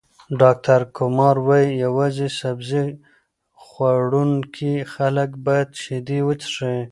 ډاکټر کمار وايي، یوازې سبزۍ خوړونکي خلک باید شیدې وڅښي.